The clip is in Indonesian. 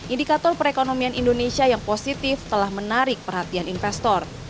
indikator perekonomian indonesia yang positif telah menarik perhatian investor